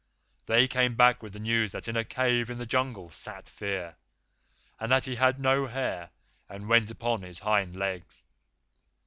They came back with the news that in a cave in the Jungle sat Fear, and that he had no hair, and went upon his hind legs.